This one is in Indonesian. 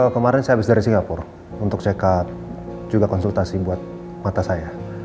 kemarin saya habis dari singapura untuk cekat konsultasi buat mata saya